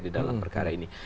di dalam perkara ini